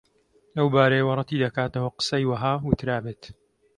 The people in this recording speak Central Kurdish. لەو بارەیەوە ڕەتی دەکاتەوە قسەی وەها وترابێت